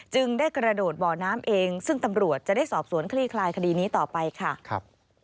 ได้กระโดดบ่อน้ำเองซึ่งตำรวจจะได้สอบสวนคลี่คลายคดีนี้ต่อไปค่ะครับ